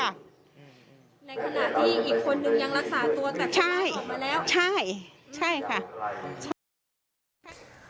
ในขณะที่อีกคนนึงยังรักษาตัว